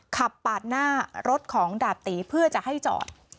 ขับปาดหน้ารถของดาบตีเพื่อจะให้จอด